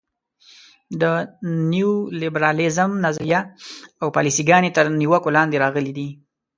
د نیولیبرالیزم نظریه او پالیسي ګانې تر نیوکو لاندې راغلي.